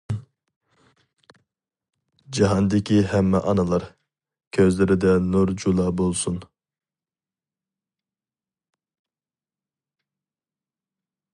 جاھاندىكى ھەممە ئانىلار، كۆزلىرىدە نۇر جۇلا بولسۇن.